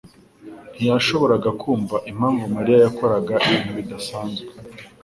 ntiyashoboraga kumva impamvu Mariya yakoraga ibintu bidasanzwe.